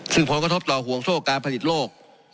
ซึ่งผลกระทบต่อห่วงโซ่การผลิตโลก